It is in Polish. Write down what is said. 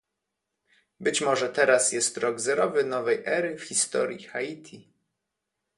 Być może teraz jest rok zerowy nowej ery w historii Haiti